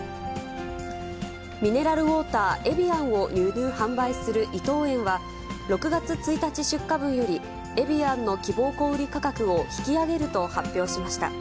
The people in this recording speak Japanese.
ミネラルウォーター、エビアンを輸入、販売する伊藤園は、６月１日出荷分より、エビアンの希望小売り価格を引き上げると発表しました。